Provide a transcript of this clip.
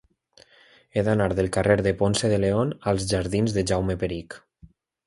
He d'anar del carrer de Ponce de León als jardins de Jaume Perich.